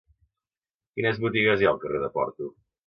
Quines botigues hi ha al carrer de Porto?